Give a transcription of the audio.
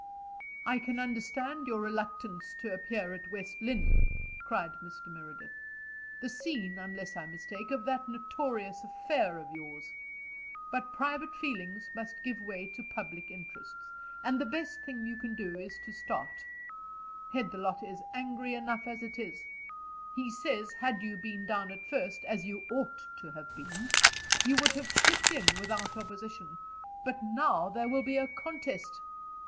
"I can understand your reluctance to appear at West Lynne," cried Mr. Meredith; "the scene, unless I mistake, of that notorious affair of yours. But private feelings must give way to public interests, and the best thing you can do is to start. Headthelot is angry enough as it is. He says, had you been down at first, as you ought to have been, you would have slipped in without opposition, but now there will be a contest."